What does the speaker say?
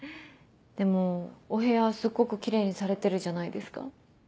でもお部屋すっごくキレイにされてるじゃないですか。